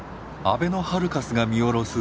あべのハルカスが見下ろす